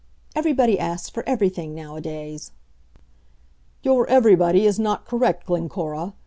Everybody asks for everything nowadays." "Your everybody is not correct, Glencora.